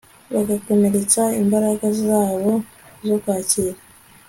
bagakomeretsa imbaraga zabo zo kwakira